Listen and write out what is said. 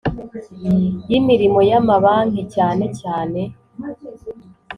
y imirimo y amabanki cyane cyane